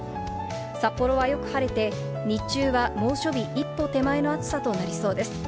札幌はよく晴れて日中は猛暑日一歩手前の暑さとなりそうです。